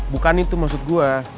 bukan itu maksud gue